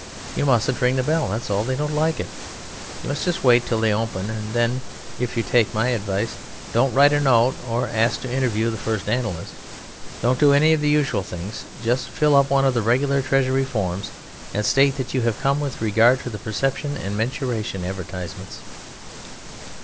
You mustn't ring the bell, that's all; they don't like it; you must just wait until they open; and then, if you take my advice, don't write a note or ask to interview the First Analyist. Don't do any of the usual things, but just fill up one of the regular Treasury forms and state that you have come with regard to the Perception and Mensuration advertisements."